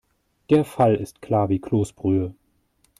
Der Fall ist klar wie Kloßbrühe.